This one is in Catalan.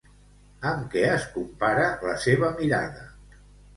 Amb què es compara la seva mirada?